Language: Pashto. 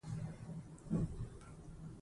آیا ته کولای شې دا جمله ولولې؟